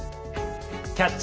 「キャッチ！